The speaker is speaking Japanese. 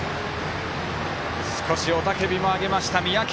少し雄たけびをあげました、三宅。